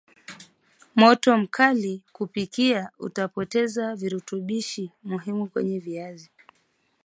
moto mkali kupikia utapoteza virutubishi muhimu kwenye viazi